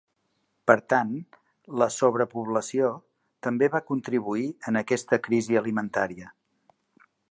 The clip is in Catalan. Per tant, la sobrepoblació també va contribuir en aquesta crisi alimentària.